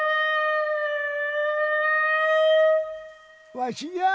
わしじゃあ！